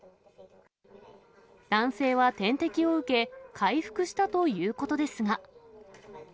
男性は点滴を受け、回復したということですが。